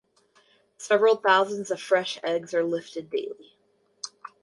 Several thousands of fresh eggs are lifted daily.